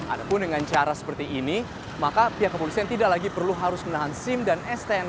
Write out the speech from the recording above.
anda pun dengan cara seperti ini maka pihak kepolisian tidak lagi perlu harus menahan sim dan stnk anda